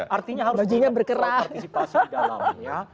artinya harus berpartisipasi di dalamnya